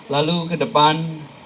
lalu ke depan